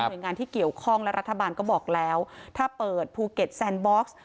โดยงานที่เกี่ยวข้องและรัฐบาลก็บอกแล้วถ้าเปิดภูเก็ตแซนบ็อกซ์